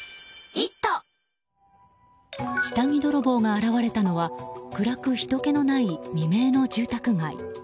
下着泥棒が現れたのは暗くひとけのない未明の住宅街。